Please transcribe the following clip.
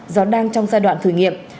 do đang trong giai đoạn thử nghiệm